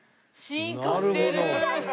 進化してる！